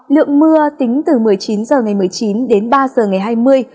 lượng mưa tính từ một mươi chín h ngày một mươi chín đến ba h ngày hai mươi